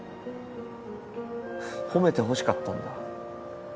褒めてほしかったんだ。